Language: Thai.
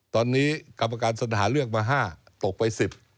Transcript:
ตอนนี้กรรมการสนหาเลือกมา๕ตกไป๑๐